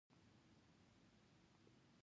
بریدمنه، تاسې به د هغه په اړه څه کوئ؟